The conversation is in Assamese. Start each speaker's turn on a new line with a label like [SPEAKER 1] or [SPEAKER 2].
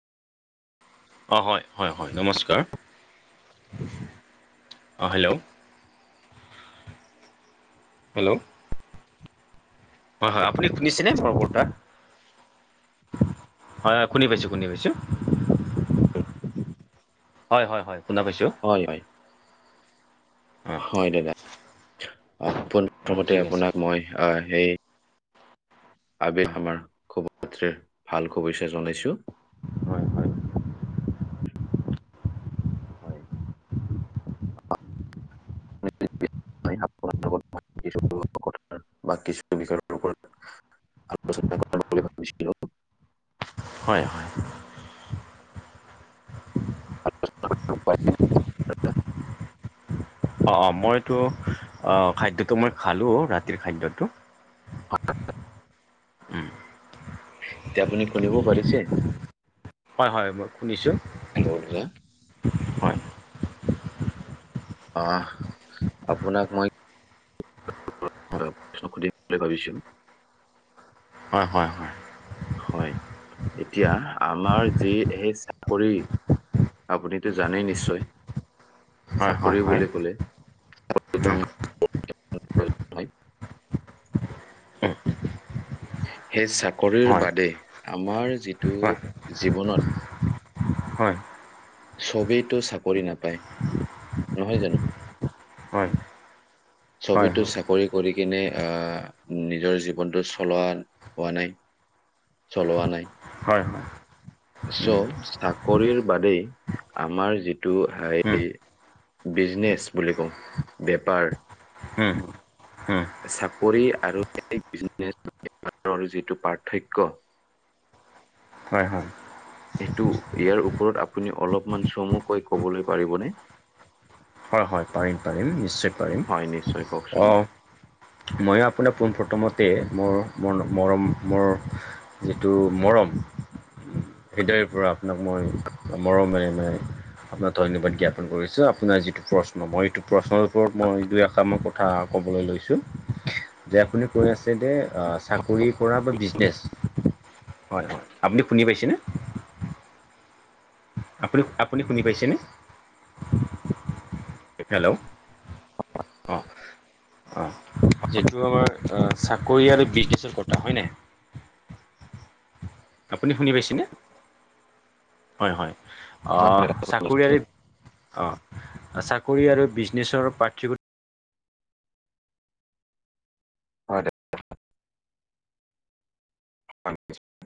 [SPEAKER 1] অ' হয়, হয়, হয়, নমস্কাৰ অ হেল্ল'। হেল্ল'। হয় হয় আপুনি শুনিছে নে মোৰ কথা হয় হয় শুনি পাইছো শুনি পাইছো। হয় হয় হয় শুনা পাইছো।
[SPEAKER 2] হয় হয়।
[SPEAKER 1] অঁ
[SPEAKER 2] হয় দাদা [unintelligible]
[SPEAKER 1] অঁ
[SPEAKER 2] প্ৰথমতে
[SPEAKER 1] ঠিক আছে
[SPEAKER 2] আপোনাক মই আহ সেই আবি আমাৰ [unintelligible] ভাল শুভেচ্ছা জনাইছো।
[SPEAKER 1] হয় হয়
[SPEAKER 2] হয়। [unintelligible] [unintelligible] আলোচনা [unintelligible]
[SPEAKER 1] হয় হয়। অ', অ' মইতো খাদ্যটো মই খালোঁ ৰাতিৰ খাদ্যটো। উম
[SPEAKER 2] এতিয়া আপুনি খুুলিবও পাৰিছে।
[SPEAKER 1] হয় হয় মই শুনিছোঁ।
[SPEAKER 2] [unintelligible]
[SPEAKER 1] হয়
[SPEAKER 2] আহ আপোনাক মই [unintelligible] প্ৰশ্ন সুধি বুলি ভাবিছো।
[SPEAKER 1] হয় হয় হয়।
[SPEAKER 2] হয় এতিয়া আমাৰ যি সেই চাকৰি আপুনিতো জানেই নিশ্চয়।
[SPEAKER 1] হয় হয় হয়
[SPEAKER 2] চাকৰি
[SPEAKER 1] হয়
[SPEAKER 2] বুলি কলে
[SPEAKER 1] উম
[SPEAKER 2] [unintelligible]
[SPEAKER 1] উম
[SPEAKER 2] সেই চাকৰিৰ
[SPEAKER 1] হয়
[SPEAKER 2] বাদে আমাৰ যিটো
[SPEAKER 1] হয়
[SPEAKER 2] জীৱনত
[SPEAKER 1] হয়
[SPEAKER 2] চবেইতো চাকৰি নাপায় নহয় জানো
[SPEAKER 1] হয় হয় হয়
[SPEAKER 2] ছবেটো চাকৰি কৰি কিনে আহ নিজৰ জীৱনটো চলোৱা হোৱা নাই চলোৱা নাই।
[SPEAKER 1] হয় হয় উম
[SPEAKER 2] চ' চাকৰিৰ বাদেই আমাৰ যিটো হে
[SPEAKER 1] উম
[SPEAKER 2] বিজনেচ বুলি কওঁ বেপাৰ
[SPEAKER 1] হম।
[SPEAKER 2] চাকৰি আৰু বিজনেছৰ [unintelligible] যিটো পাৰ্থক্য
[SPEAKER 1] হয় হয়।
[SPEAKER 2] সেইটো ইয়াৰ ওপৰত আপুনি অলপমান চমুকৈ কবলৈ পাৰিবনে
[SPEAKER 1] হয় হয় পাৰিম পাৰিম নিশ্চয় পাৰিম
[SPEAKER 2] হয় নিশ্চয় কওকচোন।
[SPEAKER 1] অ' ময়ো আপোনাৰ পোনপ্ৰথমতে মোৰ ম মৰম মোৰ যিটো মৰম [unintelligible] পৰা আপোনাক মই মৰমেৰে মে আপোনাক ধন্যবাদ জ্ঞাপন কৰিছো আপোনাৰ যিটো প্ৰশ্ন মই এইটো প্ৰশ্নৰ ওপৰত মই এই দুই [unintelligible] কথা ক'বলৈ লৈছোঁ। যে আপুনি কৈ আছে যে চাকৰি কৰা বা বিজনেছ হয় হয় আপুনি শুনি পাইছেনে আপুনি আপুনি শুনি পাইছেনে। হেল্লো।
[SPEAKER 2] [unintelligible]
[SPEAKER 1] অ। যিটো আমাৰ চাকৰি আৰু বিজনেছৰ কথা হয়নে। আপুনি শুনি পাইছেনে হয়', হয',
[SPEAKER 2] হয়
[SPEAKER 1] চাকৰি
[SPEAKER 2] নিশ্চয়।
[SPEAKER 1] অ', চাকৰি আৰু বিজনেছৰ পাৰ্থক
[SPEAKER 2] হয়। [unintelligible]